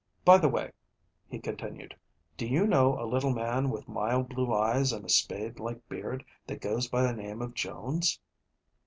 By the way," he continued, "do you know a little man with mild blue eyes and a spade like beard that goes by the name of Jones?"